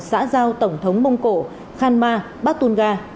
xã giao tổng thống mông cổ khan ma bát tôn ga